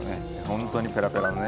本当にペラペラのね。